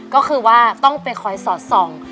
ก็คือว่าต้องไปคอยสอดส่อง